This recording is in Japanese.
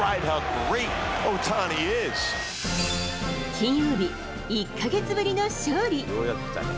金曜日、１か月ぶりの勝利。